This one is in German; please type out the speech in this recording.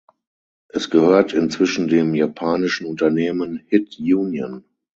Es gehört inzwischen dem japanischen Unternehmen Hit Union.